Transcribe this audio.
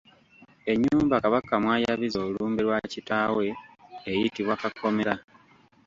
Ennyumba Kabaka mwayabiza olumbe lwa Kitaawe eyitibwa Kakomera.